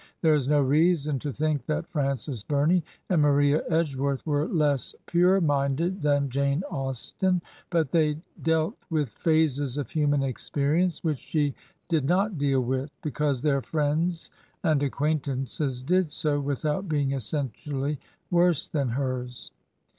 There is no reason to think that Frances Bumey and Maria Edgeworth were less pure minded than Jane Austen, but they dealt with phases of htmian experience which she did not deal with, be cause their friends and acquaintances did so, without being essentially worse than hers.